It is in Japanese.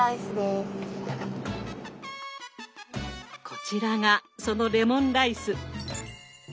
こちらがそのレモンライス。